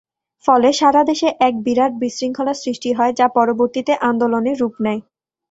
ফলে সারা দেশে এক বিরাট বিশৃঙ্খলার সৃষ্টি হয় যা পরবর্তিতে আন্দোলনে রূপ নেয়।